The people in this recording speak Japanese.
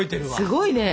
すごいね。